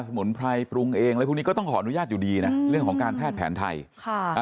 สมุนไพรปรุงเองอะไรพวกนี้ก็ต้องขออนุญาตอยู่ดีนะเรื่องของการแพทย์แผนไทยค่ะอ่า